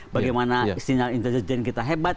bagaimana sinyal intelijen kita hebat